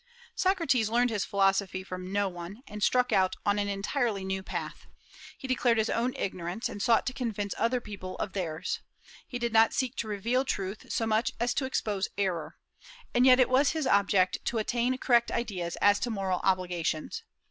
Socrates learned his philosophy from no one, and struck out an entirely new path. He declared his own ignorance, and sought to convince other people of theirs. He did not seek to reveal truth so much as to expose error. And yet it was his object to attain correct ideas as to moral obligations.